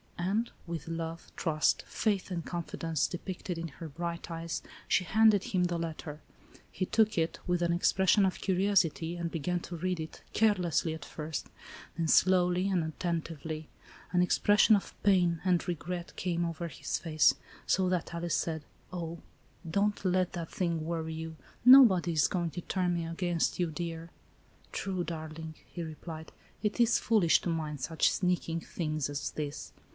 And, with love, trust, faith and confi dence depicted in her bright eyes, she handed him the letter. He took it, with an expression of curiosity, and began to read it, carelessly at first, then slowly and attentively. An expression of pain and re gret came over his face, so that Alice said :" Oh, don't let that thing worry you. Nobody is going to turn me against you, dear." "True, darling," he replied, "it is foolish to mind such sneaking things as this."